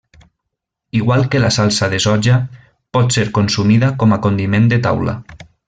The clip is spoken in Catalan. Igual que la salsa de soja, potser consumida com a condiment de taula.